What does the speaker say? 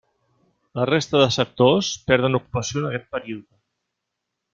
La resta de sectors perden ocupació en aquest període.